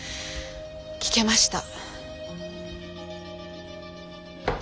聞けました。